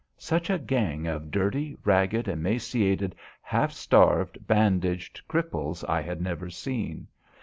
Such a gang of dirty, ragged, emaciated, half starved, bandaged cripples I had never seen.